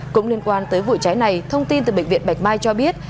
cũng liên quan tới vụ cháy này thông tin từ bệnh viện bạch mai cho biết